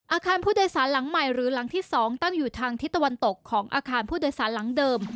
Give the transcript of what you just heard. อาคารผู้โดยสารหลังใหม่หรือหลังที่๒ตั้งอยู่ทางทิศตะวันตกของอาคารผู้โดยสารหลังเดิม